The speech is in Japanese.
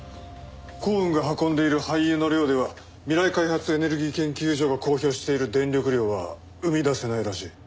光雲が運んでいる廃油の量では未来開発エネルギー研究所が公表している電力量は生み出せないらしい。